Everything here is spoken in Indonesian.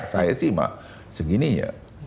saya sih mah segininya